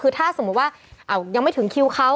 คือถ้าสมมุติว่ายังไม่ถึงคิวเขา